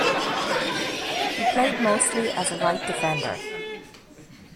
He played mostly as a right defender.